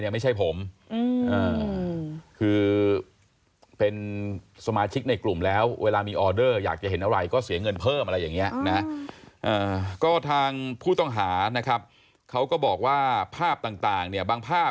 น้องไม่ได้ทำเองเอาคลิปมาลง